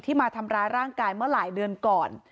มาทำร้ายร่างกายเมื่อหลายเดือนก่อน